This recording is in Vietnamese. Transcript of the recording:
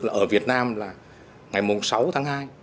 là ở việt nam là ngày sáu tháng hai